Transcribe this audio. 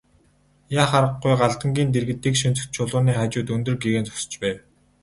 Яах аргагүй Галдангийн дэргэд тэгш өнцөгт чулууны хажууд өндөр гэгээн зогсож байв.